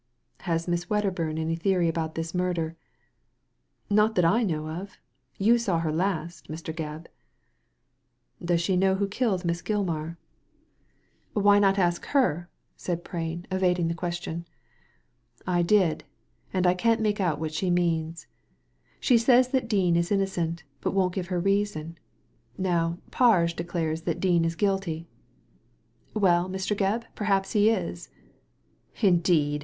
"Has Miss Wedderburn any theory about this murder ?"" Not that I know of. You saw her last, Mr. Gebb.*' " Does she know who killed Miss Gilmar ?" Digitized by Google THE DIAMOND NECKLACE 123 "Why not ask her?" said Prain, evading the question. " I did ; and I can't make out what she means. She says that Dean is innocent, but won't give her reasoa Now, Parge declares that Dean is guilty." " Well, Mr, Gebb, perhaps he is," " Indeed